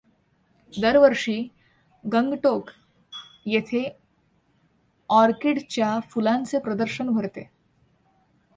दरवर्षी गंगटोक येथे ऑर्किडच्या फुलांचे प्रदर्शन भरते.